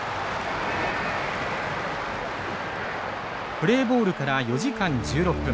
プレーボールから４時間１６分。